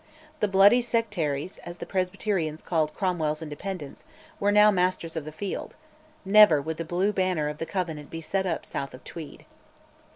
The "bloody sectaries," as the Presbyterians called Cromwell's Independents, were now masters of the field: never would the blue banner of the Covenant be set up south of Tweed.